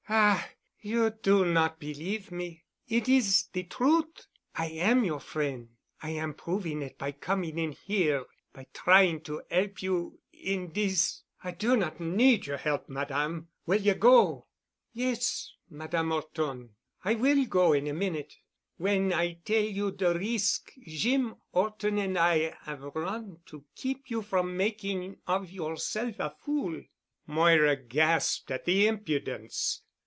"Ah! You do not believe me. It is de trut'. I am your frien'. I am proving it by coming in here—by trying to 'elp you in dis——" "I do not need your help, Madame. Will you go?" "Yes, Madame 'Orton. I will go in a minute—when I tell you de risk Jeem 'Orton an' I 'ave run to keep you from making of yourself a fool." Moira gasped at the impudence.